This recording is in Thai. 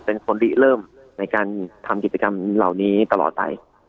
เป็นคนริเริ่มในการทำกิจกรรมเหล่านี้ตลอดไป